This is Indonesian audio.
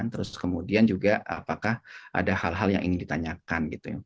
terus kemudian juga apakah ada hal hal yang ingin ditanyakan gitu ya